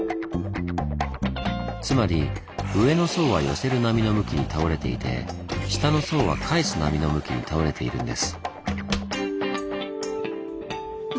つまり上の層は寄せる波の向きに倒れていて下の層は返す波の向きに倒れているんです。